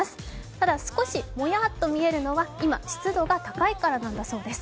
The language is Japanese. ただ少し、もやっと見えるのは今、湿度が高いからなんだそうです。